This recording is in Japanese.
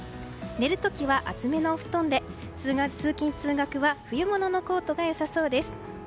寝るときは厚めのお布団で通勤・通学時間帯は冬物のコートがよさそうです。